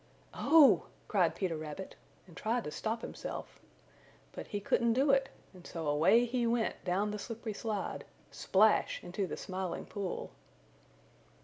"Oh," cried Peter Rabbit, and tried to stop himself. But he couldn't do it and so away he went down the slippery slide, splash into the Smiling Pool.